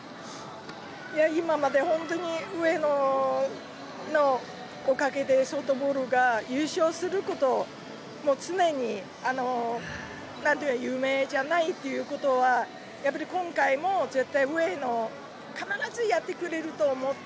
今まで本当に上野のおかげでソフトボールが優勝すること常に、夢じゃないってことはやっぱり、今回も絶対上野、必ずやってくれると思って。